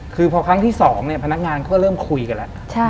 คือพอครั้งที่๒เนี่ยพนักงานก็เริ่มคุยกันแล้ว